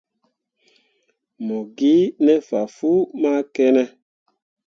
Mo gi ne fah fuu ma ki ne.